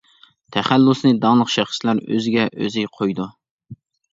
تەخەللۇسنى داڭلىق شەخسلەر ئۆزىگە ئۆزى قويىدۇ.